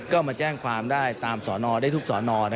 ก็มาแจ้งความได้ตามสอนอได้ทุกสอนอ